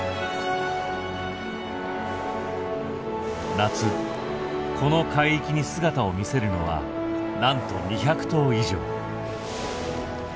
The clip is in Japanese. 夏この海域に姿を見せるのはなんと２００頭以上。